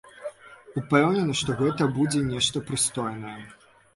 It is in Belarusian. Упэўнены, што гэта будзе нешта прыстойнае.